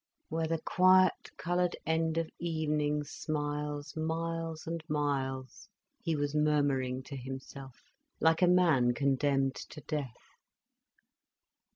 "'Where the quiet coloured end of evening smiles Miles and miles—'" he was murmuring to himself, like a man condemned to death.